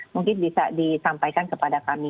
mungkin bisa disampaikan kepada kami